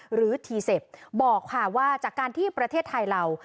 หรือทีเซฟบอกค่ะว่าจากการที่ประเทศไทยเรา